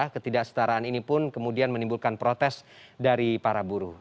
ketidaksetaraan ini pun kemudian menimbulkan protes dari para buruh